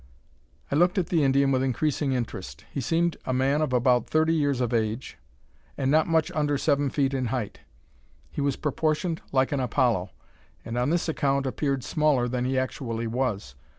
I looked at the Indian with increasing interest. He seemed a man of about thirty years of age, and not much under seven feet in height. He was proportioned like an Apollo, and, on this account, appeared smaller than he actually was.